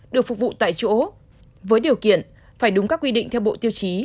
được phục vụ tại chỗ với điều kiện phải đúng các quy định theo bộ tiêu chí